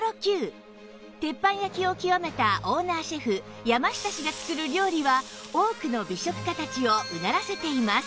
鉄板焼きを極めたオーナーシェフ山下氏が作る料理は多くの美食家たちをうならせています